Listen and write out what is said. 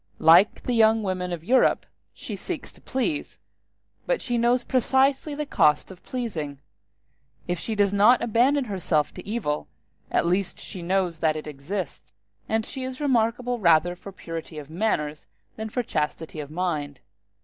Like the young women of Europe, she seeks to please, but she knows precisely the cost of pleasing. If she does not abandon herself to evil, at least she knows that it exists; and she is remarkable rather for purity of manners than for chastity of mind.